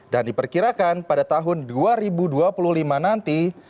dan diperkirakan pada tahun dua ribu dua puluh lima nanti